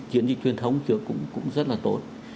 cái chuyển dịch truyền thông trước cũng rất là tốt